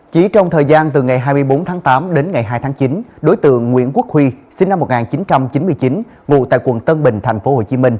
chỉ trong thời gian từ ngày hai mươi bốn tháng tám đến ngày hai tháng chín đối tượng nguyễn quốc huy sinh năm một nghìn chín trăm chín mươi chín ngụ tại quận tân bình tp hcm